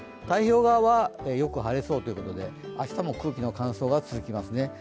太平洋側はよく晴れそうということで、明日も空気の乾燥が続きますね。